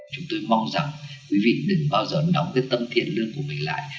chúng tôi mong rằng quý vị đừng bao giờ nòng cái tâm thiện lương của mình lại